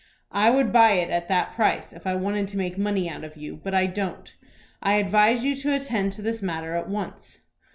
"I would buy it at that price if I wanted to make money out of you; but I don't. I advise you to attend to this matter at once."